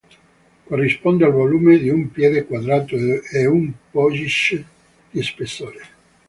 Corrisponde al volume di un piede quadrato e un pollice di spessore.